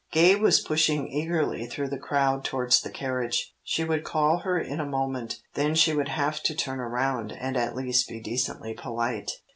Gay was pushing eagerly through the crowd towards the carriage. She would call her in a moment, then she would have to turn around and at least be decently polite.